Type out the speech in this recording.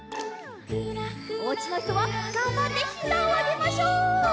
おうちのひとはがんばってひざをあげましょう！